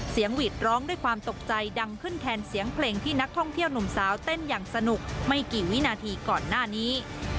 หวีดร้องด้วยความตกใจดังขึ้นแทนเสียงเพลงที่นักท่องเที่ยวหนุ่มสาวเต้นอย่างสนุกไม่กี่วินาทีก่อนหน้านี้